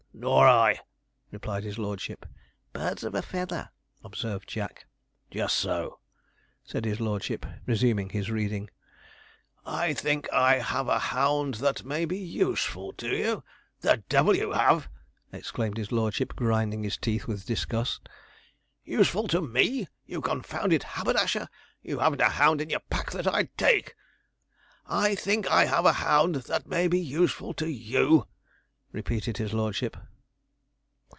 'Nor I,' replied his lordship. 'Birds of a feather,' observed Jack. 'Just so,' said his lordship, resuming his reading. '"I think I have a hound that may be useful to you " The devil you have!' exclaimed his lordship, grinding his teeth with disgust. 'Useful to me, you confounded haberdasher! you hav'n't a hound in your pack that I'd take. "I think I have a hound that may be useful to you "' repeated his lordship.